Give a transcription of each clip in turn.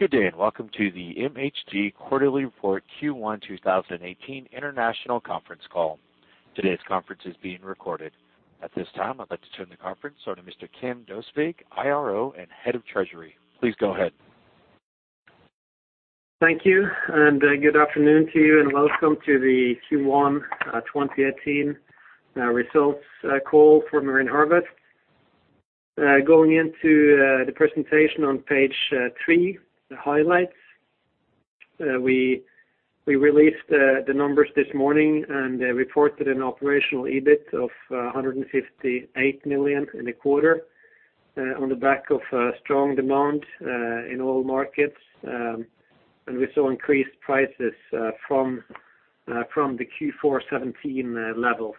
Good day, and welcome to the MHG Quarterly Report Q1 2018 international conference call. Today's conference is being recorded. At this time, I'd like to turn the conference over to Mr. Kim Galtung Døsvig, IRO and Head of Treasury. Please go ahead. Thank you, and good afternoon to you, and welcome to the Q1 2018 results call for Marine Harvest. Going into the presentation on page 3, the highlights. We released the numbers this morning and reported an operational EBIT of 158 million in the quarter on the back of strong demand in all markets, and we saw increased prices from the Q4 2017 levels.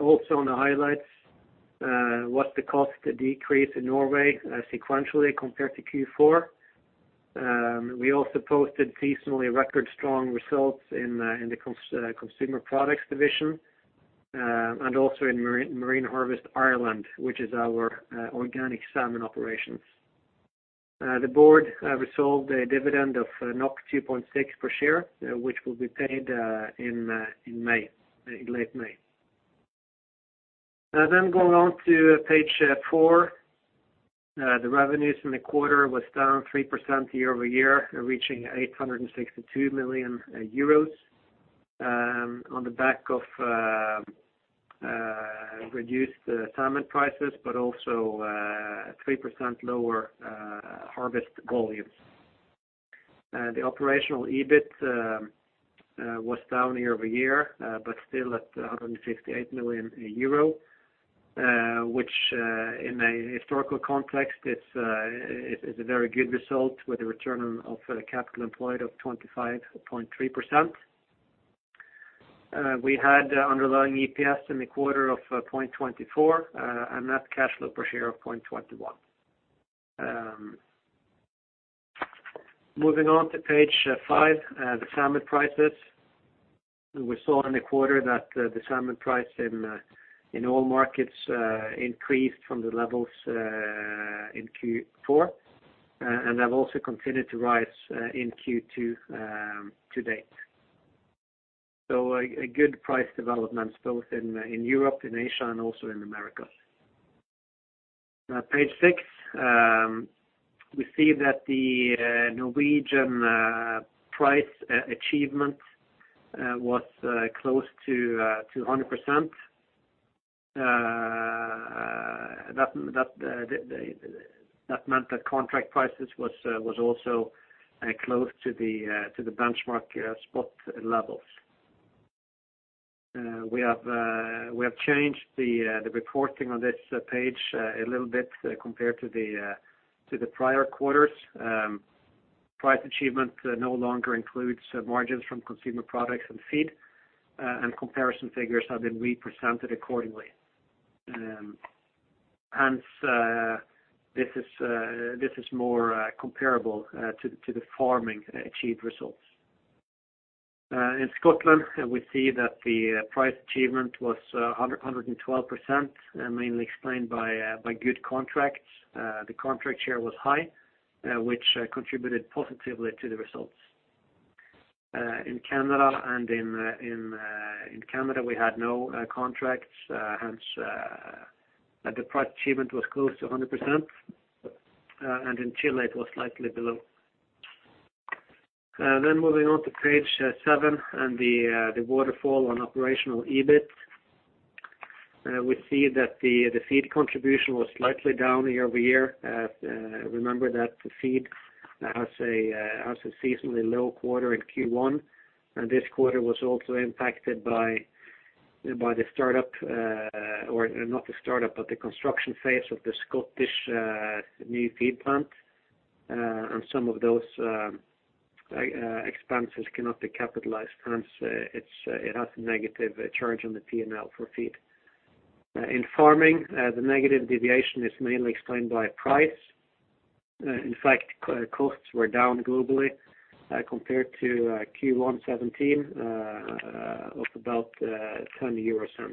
Also on the highlights, was the cost decrease in Norway sequentially compared to Q4. We also posted seasonally record strong results in the Consumer Products division, and also in Marine Harvest Ireland, which is our organic salmon operations. The board resolved a dividend of 2.6 per share, which will be paid in late May. Going on to page 4. The revenues in the quarter was down 3% year-over-year, reaching 862 million euros, on the back of reduced salmon prices, but also 3% lower harvest volumes. The operational EBIT was down year-over-year but still at 158 million euro, which, in a historical context, is a very good result with a return on capital employed of 25.3%. We had underlying EPS in the quarter of 0.24, and net cash flow per share of 0.21. Moving on to page 5, the salmon prices. We saw in the quarter that the salmon price in all markets increased from the levels in Q4 and have also continued to rise in Q2 to date. A good price development both in Europe, in Asia, and also in America. Page 6. We see that the Norwegian price achievement was close to 100%. That meant that contract prices was also close to the benchmark spot levels. We have changed the reporting on this page a little bit compared to the prior quarters. Price achievement no longer includes margins from Consumer Products and Feed, and comparison figures have been represented accordingly. Hence, this is more comparable to the farming achieved results. In Scotland, we see that the price achievement was 112%, mainly explained by good contracts. The contract share was high, which contributed positively to the results. In Canada, we had no contracts, hence the price achievement was close to 100%, and in Chile, it was slightly below. Moving on to page 7 and the waterfall on operational EBIT. We see that the Feed contribution was slightly down year-over-year. Remember that the feed has a seasonally low quarter in Q1, and this quarter was also impacted by the construction phase of the Scottish new feed plant. Some of those expenses cannot be capitalized, hence it has a negative charge on the P&L for feed. In farming, the negative deviation is mainly explained by price. In fact, costs were down globally compared to Q1 2017 of about 0.10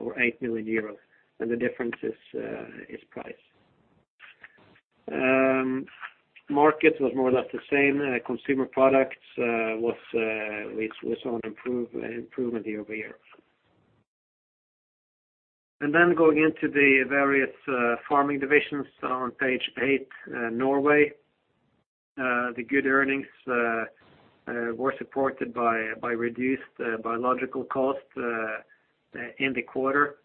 or 8 million euros. The difference is price. Markets was more or less the same. Consumer products we saw an improvement year-over-year. Going into the various Farming divisions on page 8. Norway, the good earnings were supported by reduced biological cost in the quarter.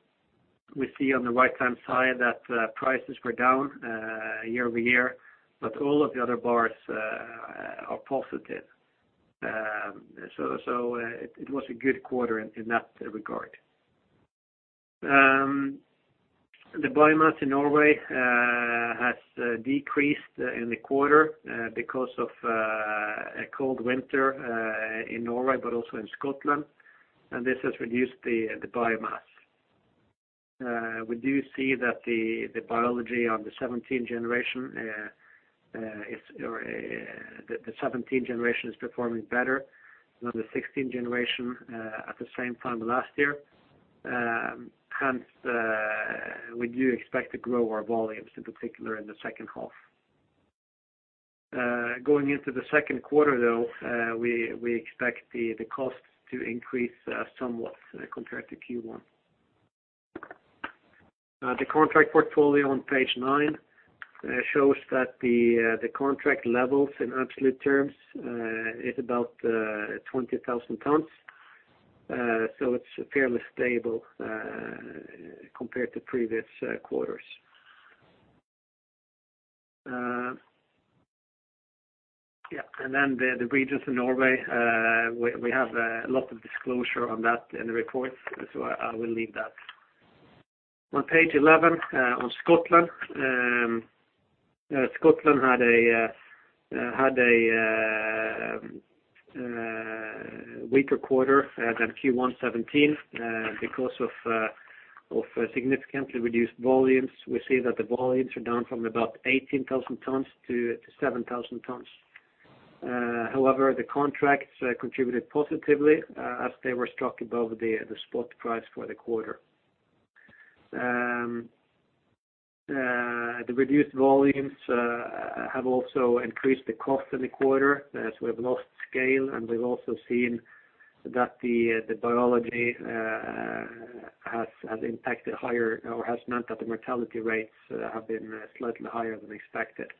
We see on the right-hand side that prices were down year-over-year, but all of the other bars are positive. It was a good quarter in that regard. The biomass in Norway has decreased in the quarter because of a cold winter in Norway but also in Scotland, and this has reduced the biomass. We do see that the biology on the 2017 generation is performing better than the 2016 generation at the same time last year. We do expect to grow our volumes, in particular in the second half. Going into the second quarter though, we expect the costs to increase somewhat compared to Q1. The contract portfolio on page 9 shows that the contract levels in absolute terms is about 20,000 tons. It's fairly stable compared to previous quarters. Yeah. The regions in Norway, we have a lot of disclosure on that in the report, so I will leave that. On page 11, on Scotland. Scotland had a weaker quarter than Q1 2017 because of significantly reduced volumes. We see that the volumes are down from about 18,000 tons to 7,000 tons. The contracts contributed positively as they were struck above the spot price for the quarter. The reduced volumes have also increased the cost in the quarter as we have lost scale, and we've also seen that the biology has impacted higher, or has meant that the mortality rates have been slightly higher than expected.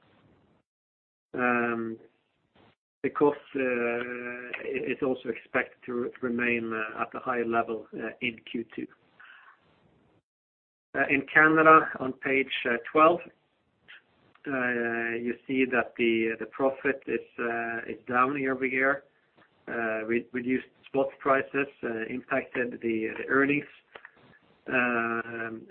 The cost is also expected to remain at a high level in Q2. In Canada, on page 12, you see that the profit is down year-over-year. Reduced spot prices impacted the earnings.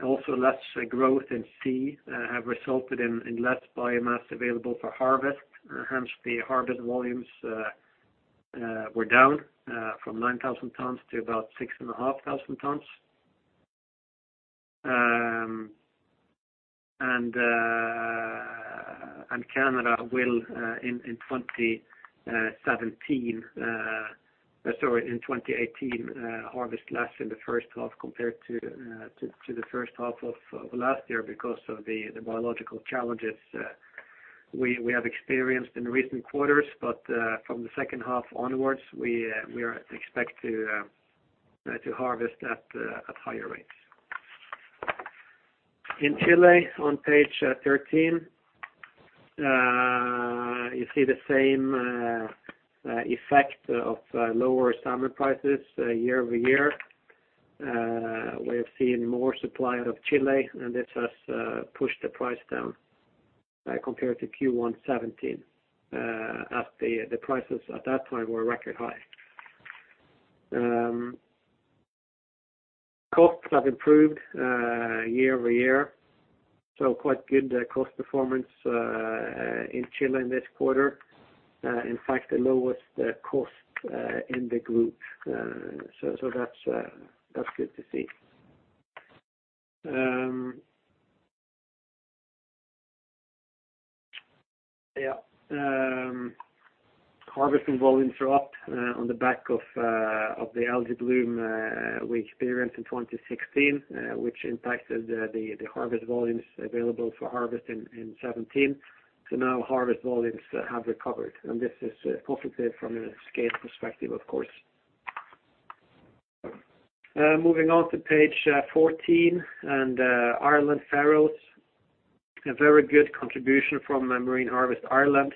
Also, less growth in sea have resulted in less biomass available for harvest. Hence, the harvest volumes were down from 9,000 tons to about 6,500 tons. Canada will, in 2018, harvest less in the first half compared to the first half of last year because of the biological challenges we have experienced in recent quarters, but from the second half onwards, we expect to harvest at higher rates. In Chile, on page 13, you see the same effect of lower salmon prices year-over-year. We have seen more supply out of Chile, this has pushed the price down compared to Q1 2017, as the prices at that time were record high. Costs have improved year-over-year, quite good cost performance in Chile in this quarter. In fact, the lowest cost in the group. That's good to see. Harvesting volumes are up on the back of the algae bloom we experienced in 2016, which impacted the harvest volumes available for harvest in 2017. Now harvest volumes have recovered, this is positive from a scale perspective, of course. Moving on to page 14, Ireland, Faroes. A very good contribution from Marine Harvest Ireland.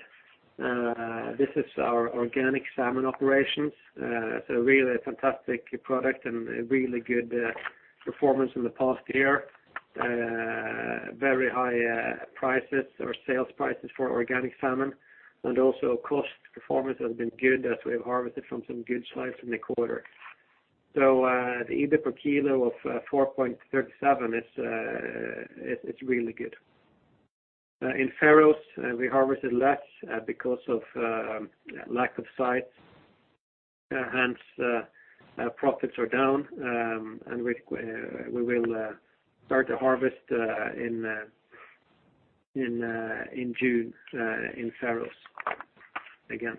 This is our organic salmon operations. It's a really fantastic product and a really good performance in the past year. Very high prices or sales prices for organic salmon, and also cost performance has been good as we have harvested from some good sites in the quarter. The EBIT per kilo of 4.37 is really good. In Faroes, we harvested less because of lack of sites. Hence, profits are down, and we will start to harvest in June in Faroes again.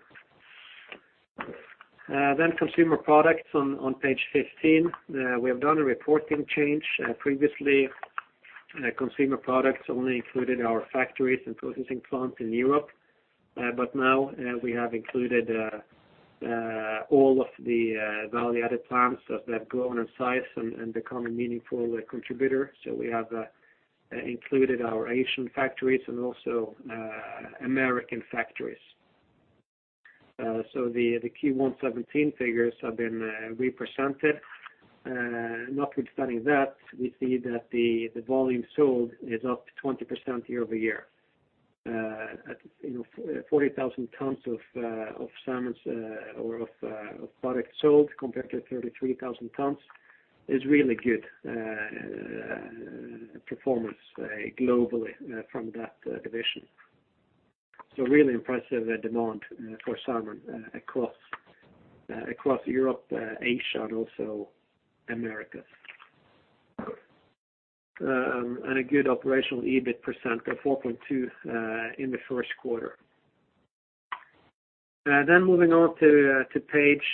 Consumer products on page 15. We have done a reporting change. Previously, consumer products only included our factories and processing plants in Europe. Now we have included all of the value-added plants as they have grown in size and become a meaningful contributor. We have included our Asian factories and also American factories. The Q1 2017 figures have been re-presented. Notwithstanding that, we see that the volume sold is up 20% year-over-year. 40,000 tons of salmon or of product sold compared to 33,000 tons is really good performance globally from that division. Really impressive demand for salmon across Europe, Asia, and also Americas. A good operational EBIT of 4.2% in the first quarter. Moving on to page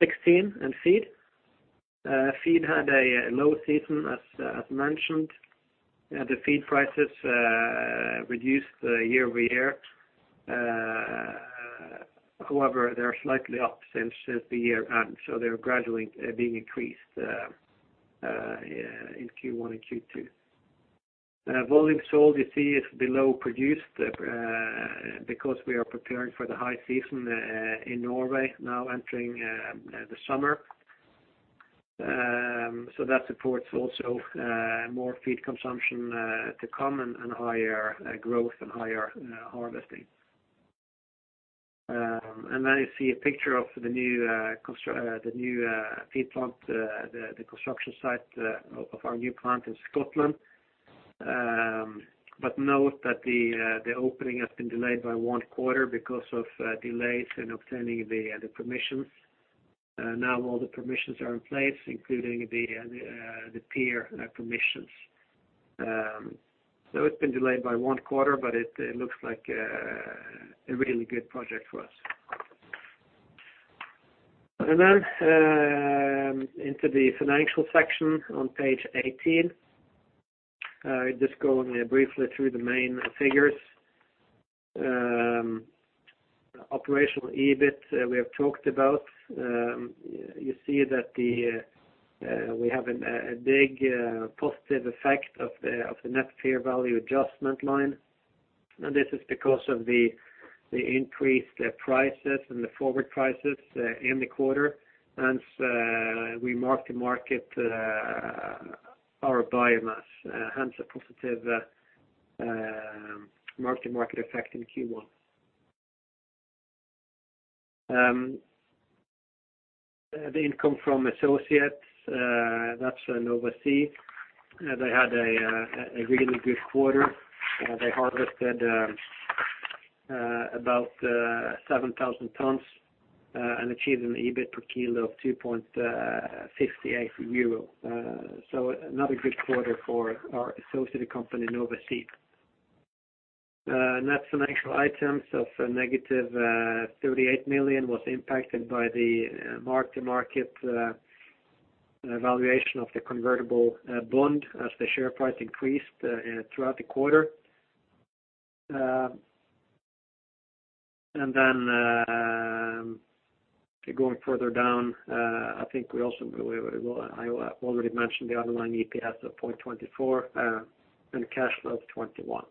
16 and feed. Feed had a low season, as mentioned. The feed prices reduced year-over-year. However, they are slightly up since the year end, so they are gradually being increased in Q1 and Q2. Volume sold, you see, is below produced because we are preparing for the high season in Norway now entering the summer. That supports also more feed consumption to come and higher growth and higher harvesting. There you see a picture of the new feed plant, the construction site of our new plant in Scotland. Note that the opening has been delayed by one quarter because of delays in obtaining the permissions. Now all the permissions are in place, including the pier permissions. It's been delayed by one quarter, but it looks like a really good project for us. Into the financial section on page 18. Just going briefly through the main figures. Operational EBIT, we have talked about. You see that we have a big positive effect of the net fair value adjustment line. This is because of the increased prices and the forward prices in the quarter. We mark-to-market our biomass, hence a positive mark-to-market effect in Q1. The income from associates, that's Nova Sea. They had a really good quarter. They harvested about 7,000 tons and achieved an EBIT per kilo of EUR 2.68. Another good quarter for our associated company, Nova Sea. Net financial items of -38 million was impacted by the mark-to-market valuation of the convertible bond as the share price increased throughout the quarter. Going further down, I think I already mentioned the underlying EPS of 0.24, and a cash flow of 0.21.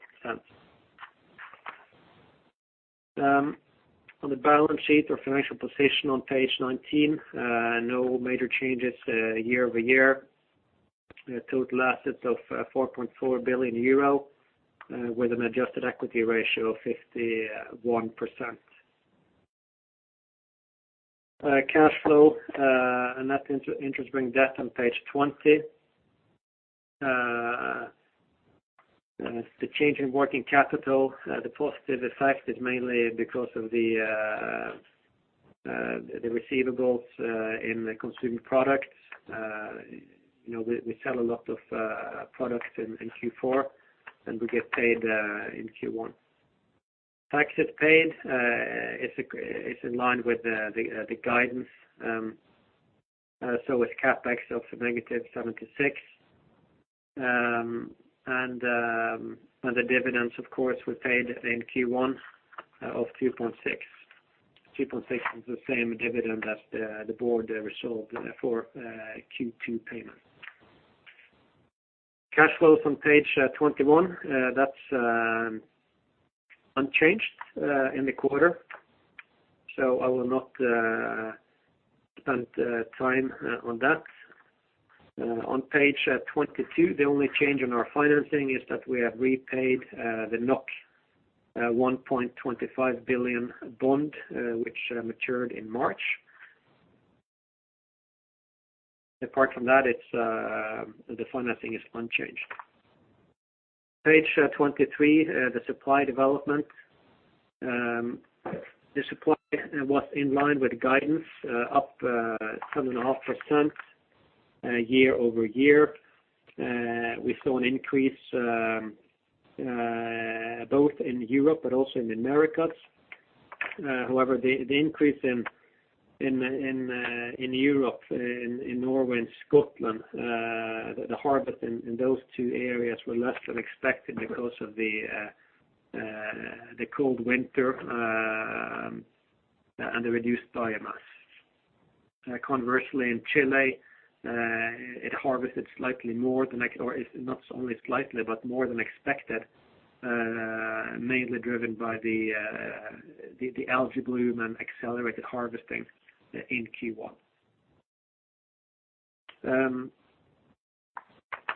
On the balance sheet or financial position on page 19, no major changes year-over-year. Total assets of 4.4 billion euro, with an adjusted equity ratio of 51%. Cash flow and net interest-bearing debt on page 20. The change in working capital, the positive effect is mainly because of the receivables in the consumer products. We sell a lot of products in Q4, and we get paid in Q1. Taxes paid, it's in line with the guidance. CapEx of NOK -76. The dividends, of course, were paid in Q1 of 2.6. 2.6 is the same dividend as the board resolved for Q2 payment. Cash flows on page 21. That's unchanged in the quarter, so I will not spend time on that. On page 22, the only change in our financing is that we have repaid the 1.25 billion bond, which matured in March. Apart from that, the financing is unchanged. Page 23, the supply development. The supply was in line with the guidance, up 7.5% year-over-year. We saw an increase both in Europe but also in the Americas. However, the increase in Europe, in Norway and Scotland, the harvest in those two areas were less than expected because of the cold winter and the reduced biomass. Conversely, in Chile, it harvested not only slightly, but more than expected, mainly driven by the algae bloom and accelerated harvesting in Q1.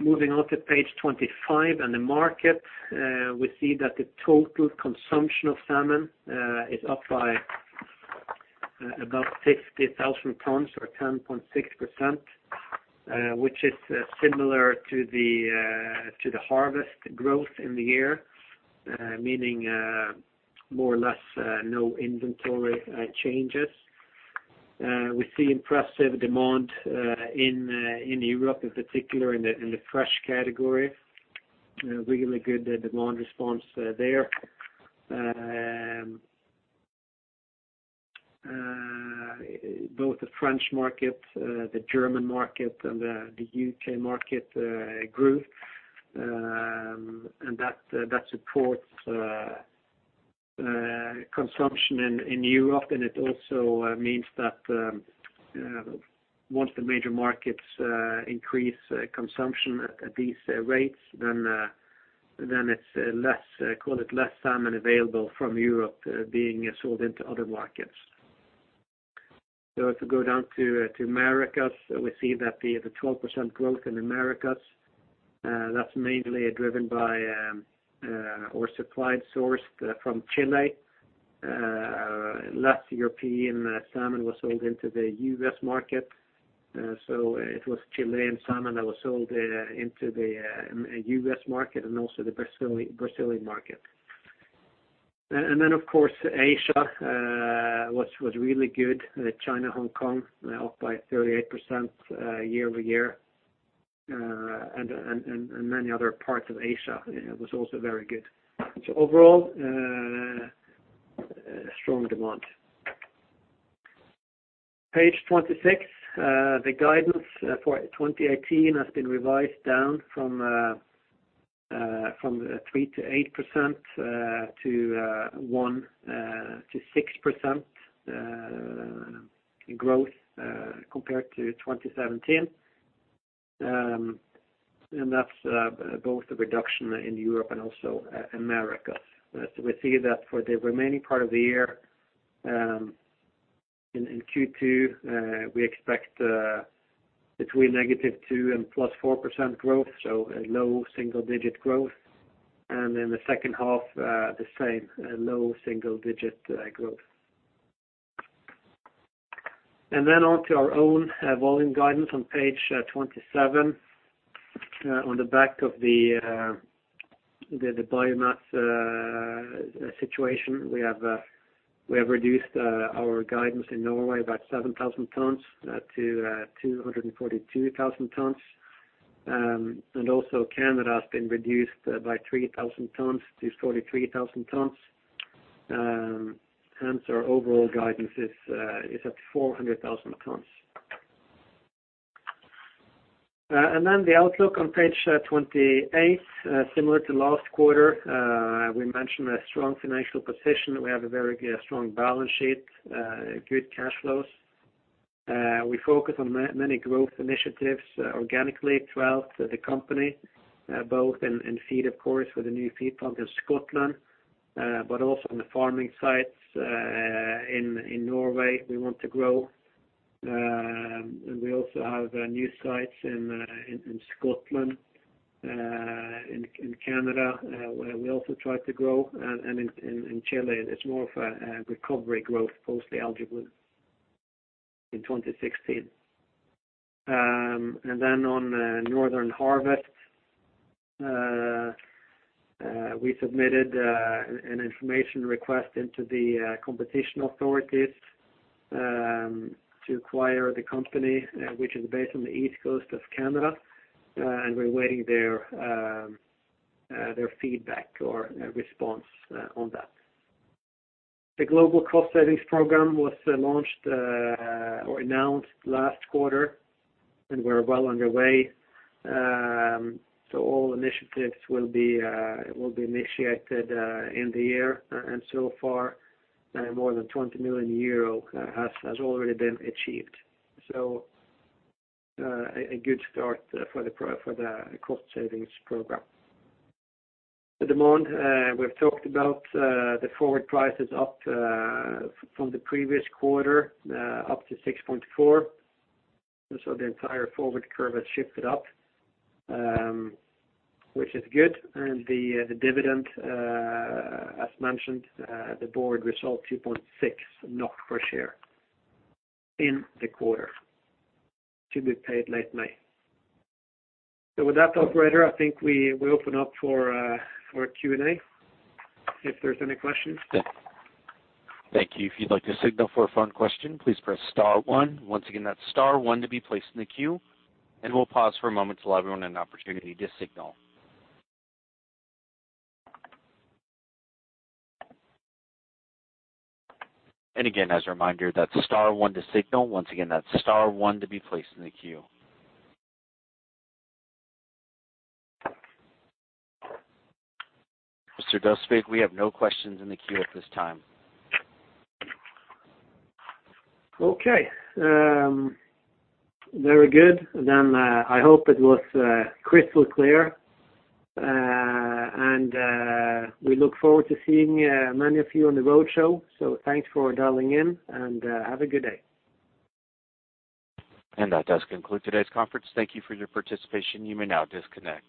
Moving on to page 25 and the market. We see that the total consumption of salmon is up by about 60,000 tons or 10.6%, which is similar to the harvest growth in the year, meaning more or less no inventory changes. We see impressive demand in Europe, in particular in the fresh category. Really good demand response there. Both the French market, the German market, and the U.K. market grew, that supports consumption in Europe. It also means that once the major markets increase consumption at these rates, then call it less salmon available from Europe being sold into other markets. If we go down to Americas, we see that the 12% growth in Americas, that's mainly driven by or supplied sourced from Chile. Less European salmon was sold into the U.S. market. It was Chilean salmon that was sold into the U.S. market and also the Brazilian market. Of course, Asia was really good. China, Hong Kong, up by 38% year-over-year, and many other parts of Asia, it was also very good. Overall, strong demand. Page 26. The guidance for 2018 has been revised down from 3%-8% to 1%-6% growth compared to 2017. That's both the reduction in Europe and also Americas. We see that for the remaining part of the year, in Q2, we expect between -2% and +4% growth, so a low single-digit growth. In the second half, the same, a low single-digit growth. Onto our own volume guidance on page 27. On the back of the biomass situation, we have reduced our guidance in Norway about 7,000 tons to 242,000 tons. Canada has been reduced by 3,000 tons to 43,000 tons. Our overall guidance is at 400,000 tons. The outlook on page 28, similar to last quarter, we mentioned a strong financial position. We have a very strong balance sheet, good cash flows. We focus on many growth initiatives organically throughout the company, both in feed, of course, with the new feed plant in Scotland, on the farming sites in Norway, we want to grow. We also have new sites in Scotland, in Canada, where we also try to grow, in Chile, it's more of a recovery growth post the algae bloom in 2016. On Northern Harvest, we submitted an information request into the competition authorities to acquire the company, which is based on the east coast of Canada, and we're awaiting their feedback or response on that. The Global Cost Savings Program was launched or announced last quarter, we're well underway. All initiatives will be initiated in the year, so far, more than 20 million euro has already been achieved. A good start for the Global Cost Savings Program. The demand, we've talked about the forward prices up from the previous quarter, up to 6.4. The entire forward curve has shifted up, which is good. The dividend, as mentioned, the board resolved 2.6 per share in the quarter to be paid late May. With that, operator, I think we open up for Q&A, if there's any questions. Thank you. If you'd like to signal for a phone question, please press star one. Once again, that's star one to be placed in the queue, and we'll pause for a moment to allow everyone an opportunity to signal. Again, as a reminder, that's star one to signal. Once again, that's star one to be placed in the queue. Mr. Døsvig, we have no questions in the queue at this time. Okay. Very good. I hope it was crystal clear. We look forward to seeing many of you on the roadshow. Thanks for dialing in, and have a good day. That does conclude today's conference. Thank you for your participation. You may now disconnect.